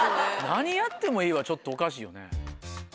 何やってもいいはおかしいよね。